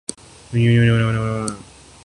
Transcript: کراچی میں press conference کے دوران